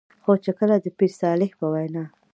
خو چې کله د پير صالح په وېنا